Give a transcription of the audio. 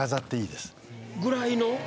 ぐらいの？